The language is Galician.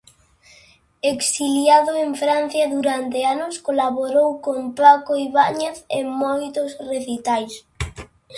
Exiliado en Francia durante anos, colaborou con Paco Ibáñez en moitos recitais.